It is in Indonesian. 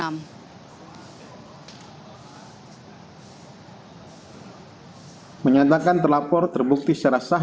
yang menyatakan terlapor terbukti secara sah